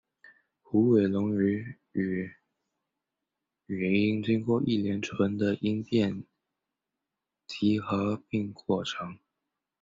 虎尾垄语之语音经过一连串的音变及合并过程。